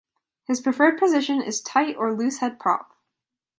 His preferred position is tight or loosehead prop.